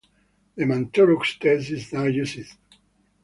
The Mantoux test is now used.